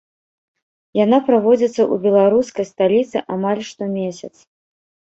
Яна праводзіцца ў беларускай сталіцы амаль штомесяц.